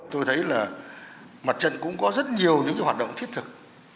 tôi thấy là mặt trận cũng có rất nhiều những hoạt động thiết thực